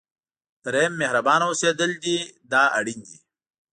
دریم مهربانه اوسېدل دی دا اړین دي.